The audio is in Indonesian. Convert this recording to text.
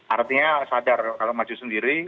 artinya sadar kalau maju sendiri